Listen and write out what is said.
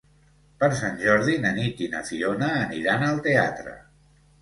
Per Sant Jordi na Nit i na Fiona aniran al teatre.